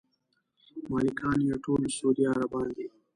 مالکان یې ټول سعودي عربان دي.